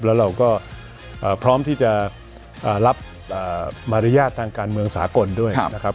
แล้วเราก็พร้อมที่จะรับมารยาททางการเมืองสากลด้วยนะครับ